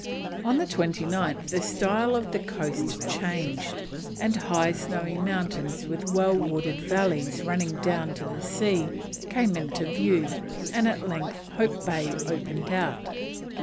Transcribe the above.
On the 29th the style of the coast changed, and high snowy mountains with well wooded valleys running down to the sea came into view, and at length Hope Bay opened out.